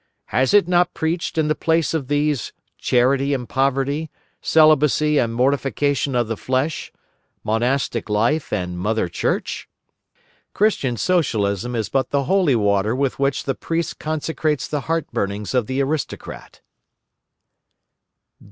Has it not preached in the place of these, charity and poverty, celibacy and mortification of the flesh, monastic life and Mother Church? Christian Socialism is but the holy water with which the priest consecrates the heart burnings of the aristocrat.